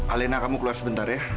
alena kamu keluar sebentar ya